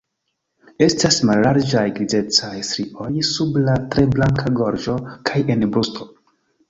Estas mallarĝaj grizecaj strioj sub la tre blanka gorĝo kaj en brusto.